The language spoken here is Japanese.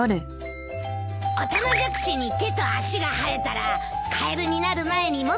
オタマジャクシに手と足が生えたらカエルになる前に元の小川に返すんだ。